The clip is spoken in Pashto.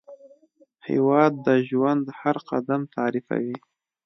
هېواد د ژوند هر قدم تعریفوي.